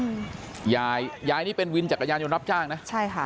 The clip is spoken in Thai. มียายยายนี่เป็นวิชักยายนรับจ้างใช่ค่ะ